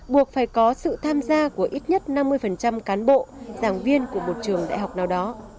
buộc phải có sự tham gia của ít nhất năm mươi cán bộ giảng viên của một trường đại học nào đó